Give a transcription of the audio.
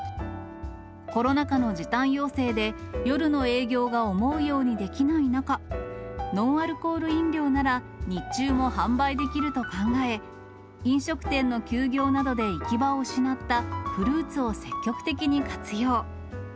コロナ禍の時短要請で、夜の営業が思うようにできない中、ノンアルコール飲料なら、日中も販売できると考え、飲食店の休業などで行き場を失ったフルーツを積極的に活用。